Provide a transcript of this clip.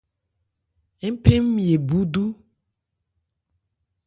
Ń phɛn ńmye búdú.